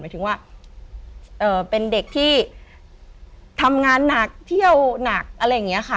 ถึงว่าเป็นเด็กที่ทำงานหนักเที่ยวหนักอะไรอย่างนี้ค่ะ